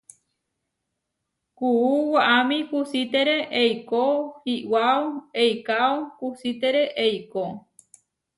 Kuú waʼámi kusítere eikó iʼwáo eikáo kusítere eikó.